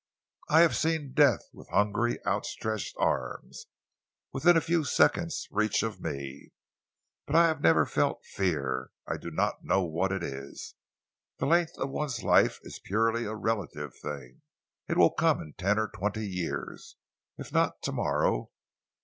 I have seen death with hungry, outstretched arms, within a few seconds' reach of me, but I have never felt fear. I do not know what it is. The length of one's life is purely a relative thing. It will come in ten or twenty years, if not to morrow.